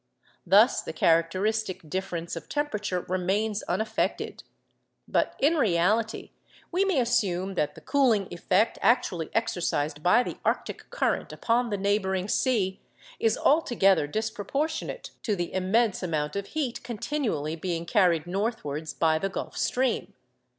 Thus the characteristic difference of temperature remains unaffected. But in reality we may assume that the cooling effect actually exercised by the arctic current upon the neighbouring sea is altogether disproportionate to the immense amount of heat continually being carried northwards by the Gulf Stream.